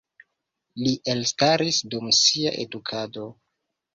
Li elstaris dum sia edukado.